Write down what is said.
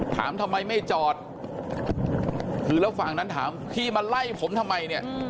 ทำไมไม่จอดคือแล้วฝั่งนั้นถามพี่มาไล่ผมทำไมเนี่ย